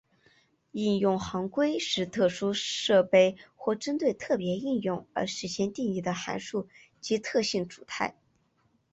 应用行规是特殊设备或针对特别应用而事先定义的函数及特性组态。